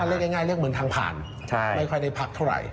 เรียกง่ายเรียกเหมือนทางผ่านไม่ค่อยได้พักเท่าไหร่